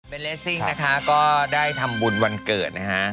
เป็นเลสซิ่งนะคะก็ได้ทำบุญวันเกิดนะฮะ